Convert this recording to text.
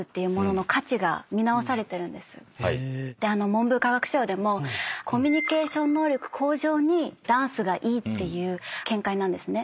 文部科学省でもコミュニケーション能力向上にダンスがいいっていう見解なんですね。